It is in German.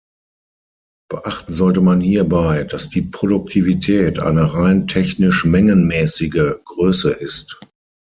Beachten sollte man hierbei, dass die Produktivität eine rein technisch-mengenmäßige Größe ist.